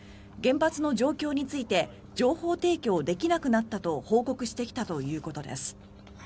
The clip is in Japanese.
原発の状況について情報提供できなくなったと報告してきたということです。